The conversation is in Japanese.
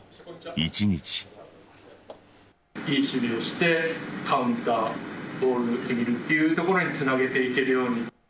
良い守備をしてカウンターボールを追っていくというところにつなげていけるように。